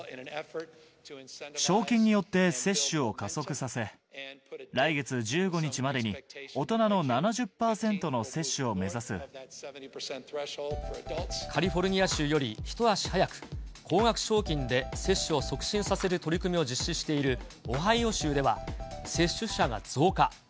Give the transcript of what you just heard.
賞金によって接種を加速させ、来月１５日までに、カリフォルニア州より一足早く、高額賞金で接種を促進させる取り組みを実施しているオハイオ州では、接種者が増加。